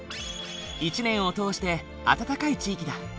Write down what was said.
一年を通して暖かい地域だ。